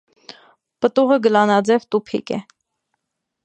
Պտուղը գլանաձև տուփիկ է։